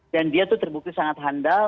dan dia itu terbukti sangat handal